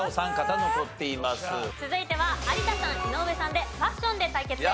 続いては有田さん井上さんでファッションで対決です。